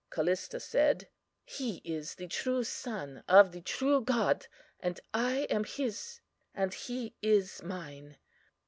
"CALLISTA said: He is the true Son of the True God; and I am His, and He is mine.